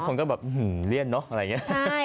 บางคนก็แบบเหนื่อนเนอะ